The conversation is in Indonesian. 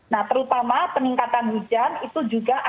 nah terutama peningkatan hujan itu juga ada